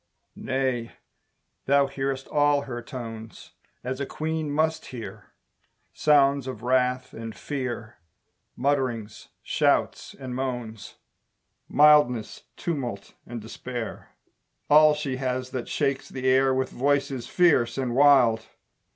Nay, thou hearest all her tones, As a Queen must hear! Sounds of wrath and fear, Mutterings, shouts, and moans, Mildness, tumult, and despair, All she has that shakes the air With voices fierce and wild!